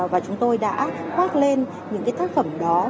và chúng tôi đã khoác lên những cái tác phẩm đó